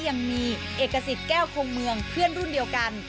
ยังมีเอกสิทธิ์แก้วคงเมืองเพื่อนรุ่นเดียวกัน